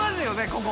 ここ。